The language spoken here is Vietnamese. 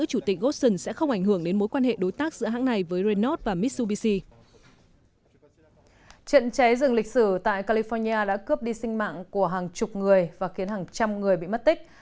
trận cháy rừng lịch sử tại california đã cướp đi sinh mạng của hàng chục người và khiến hàng trăm người bị mất tích